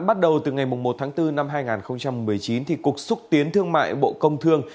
bắt đầu từ ngày một tháng bốn năm hai nghìn một mươi chín cục xúc tiến thương mại bộ công thương